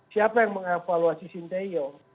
siapa yang mengevaluasi sinteyo